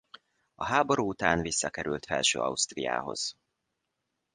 A háború után visszakerült Felső-Ausztriához.